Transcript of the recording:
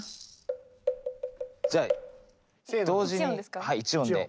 じゃあ同時に１音で。